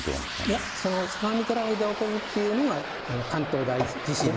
いや、その相模トラフで起こるというのが関東大地震なんです。